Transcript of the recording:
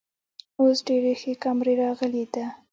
اوس ډیرې ښې کامرۍ راغلی ده